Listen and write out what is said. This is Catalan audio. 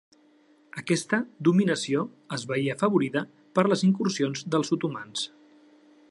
Aquesta dominació es veié afavorida per les incursions dels otomans.